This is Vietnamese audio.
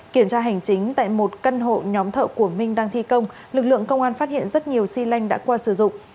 kiểm tra hành chính tại một căn hộ nhóm thợ của minh đang thi công lực lượng công an phát hiện rất nhiều xi lanh đã qua sử dụng